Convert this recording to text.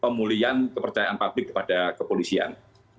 pemulihan kepercayaan publik kepada kepolisian